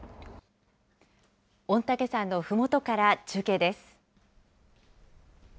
御嶽山のふもとから中継です。